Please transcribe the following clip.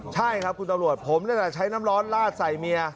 ใช่ครับคุณตำรวจผมนี่แหละใช้น้ำร้อนลาดใส่เมีย